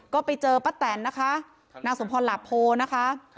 ก็ไปเจอป้าแตนนะคะนางสมพรหลาโพนะคะ